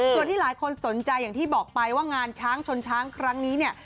ส่วนที่หลายคนสนใจอย่างที่บอกไปว่างานช้างชนช้างครั้งนี้เนี่ย